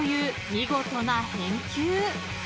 見事な返球］